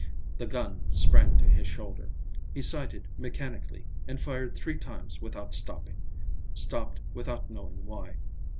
The gun sprang to his shoulder, he sighted mechanically and fired three times without stopping, stopped without knowing why.